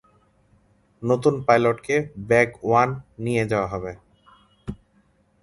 নতুন পাইলটকে "bag one" নিয়ে যাওয়া হবে।